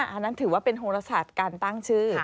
อันนั้นถือว่าเป็นโฮลศาสตร์การตั้งชื่อ